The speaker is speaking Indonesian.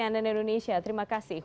kondisinya anden indonesia terima kasih